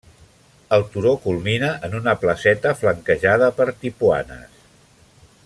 El turó culmina en una placeta flanquejada per tipuanes.